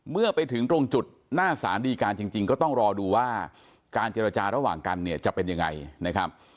เมื่อไปถึงตรงจุดหน้าสารดีการจริงก็ต้องรอดูว่าการเจรจาระหว่างกันเนี่ยจะเป็นยังไงนะครับ